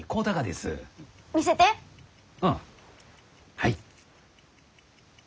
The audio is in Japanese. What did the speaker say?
はい。